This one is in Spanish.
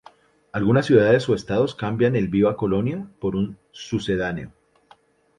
Algunas ciudades o Estados cambian el Viva Colonia por un sucedáneo.